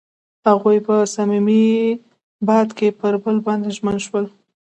هغوی په صمیمي باد کې پر بل باندې ژمن شول.